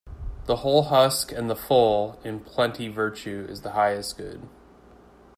The hull husk and the full in plenty Virtue is the highest good.